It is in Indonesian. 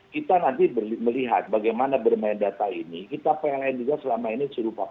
kita nanti melihat bagaimana bermain data ini kita pengen juga selama ini suruh paparkan